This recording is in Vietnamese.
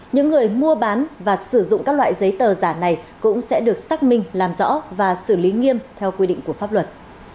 những người mua bán và sử dụng các loại giấy tờ giả này cũng sẽ được xác minh làm rõ và xử lý nghiêm theo quy định của pháp luật